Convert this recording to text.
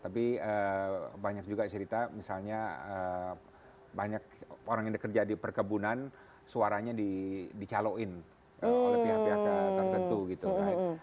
tapi banyak juga cerita misalnya banyak orang yang bekerja di perkebunan suaranya dicaloin oleh pihak pihak tertentu gitu